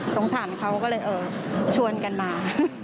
สงสารเขาก็เลยชวนกันมา